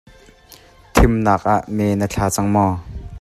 Thimnak ah me na thla cang maw?